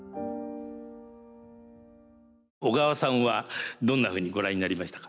小川さんはどんなふうにご覧になりましたか？